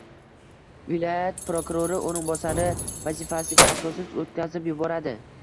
viloyat prokurori o‘rinbosari vazifasiga asossiz o‘tkazib yuboradi.